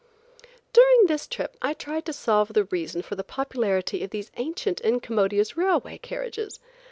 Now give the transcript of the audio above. During this trip I tried to solve the reason for the popularity of these ancient, incommodious railway carriages.